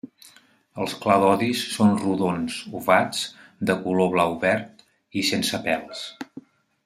Els cladodis són rodons, ovats de color blau-verd i sense pèls.